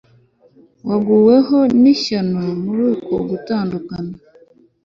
waguweho n'ishyano muri uko gutandukana